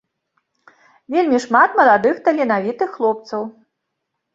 Вельмі шмат маладых таленавітых хлопцаў.